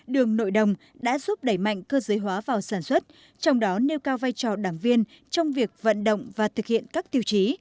đường nội đồng đã giúp đẩy mạnh cơ giới hóa vào sản xuất trong đó nêu cao vai trò đảng viên trong việc vận động và thực hiện các tiêu chí